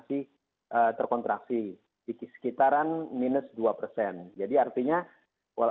kalau dari prediksi saya dengan tanpa ada melihatnya ya